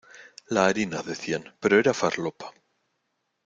La harina, decían, pero era farlopa.